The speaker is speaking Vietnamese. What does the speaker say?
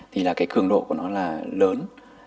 thì là cái cường độ của nó là lớn